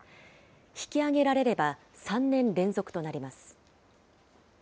引き上げられれば、３年連続となります。